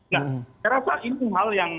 nah saya rasa ini hal yang